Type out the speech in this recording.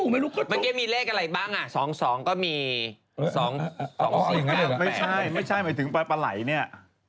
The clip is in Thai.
ไม่ใช่ไม่ใช่หมายถึงปลาไหล่เนี่ย